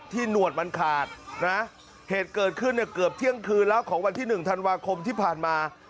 หนวดมันขาดนะเหตุเกิดขึ้นเนี่ยเกือบเที่ยงคืนแล้วของวันที่๑ธันวาคมที่ผ่านมา